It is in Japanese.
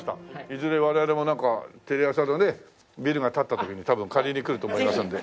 いずれ我々もなんかテレ朝のねビルが建った時に多分借りにくると思いますんで。